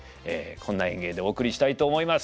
こんな演芸でお送りしたいと思います。